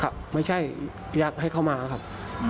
ครับไม่ใช่อยากให้เข้ามาครับ